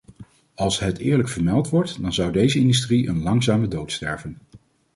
Als het eerlijk vermeld wordt dan zou deze industrie een langzame dood sterven.